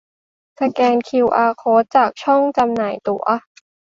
สแกนคิวอาร์โค้ดจากช่องจำหน่ายตั๋ว